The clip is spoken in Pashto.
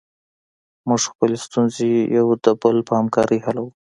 موږ خپلې ستونزې یو د بل په همکاري حلوو.